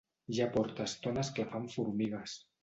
Ja porta estona esclafant formigues.